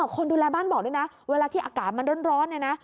คนดูแลบ้านบอกด้วยนะเวลาที่อากาศมันร้อนเนี่ยนะ